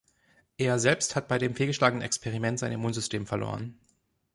Er selbst hat bei dem fehlgeschlagenen Experiment sein Immunsystem verloren.